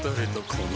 この